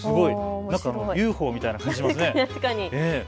ＵＦＯみたいな感じしますね。